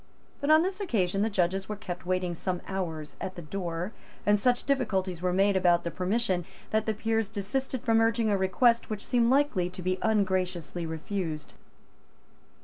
But on this occasion the judges were kept waiting some hours at the door; and such difficulties were made about the permission that the Peers desisted from urging a request which seemed likely to be ungraciously refused.